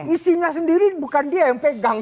isinya sendiri bukan dia yang pegang